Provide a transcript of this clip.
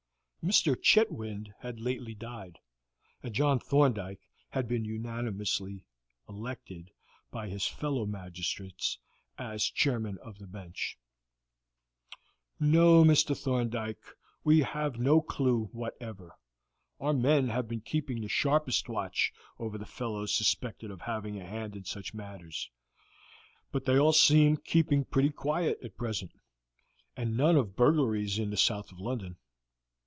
Mr. Chetwynd had lately died, and John Thorndyke had been unanimously elected by his fellow magistrates as chairman of the bench. "No, Mr. Thorndyke, we have no clew whatever. Our men have been keeping the sharpest watch over the fellows suspected of having a hand in such matters, but they all seem keeping pretty quiet at present, and none of them seem to be particularly flush with money. It is the same with these burglaries in the South of London.